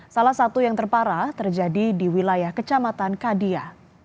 salah satu yang terparah terjadi di wilayah kecamatan kadia